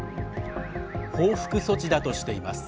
報復措置だとしています。